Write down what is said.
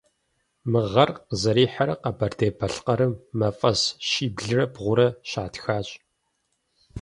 Мы гъэр къызэрихьэрэ Къэбэрдей-Балъкъэрым мафӏэс щиблрэ бгъурэ щатхащ.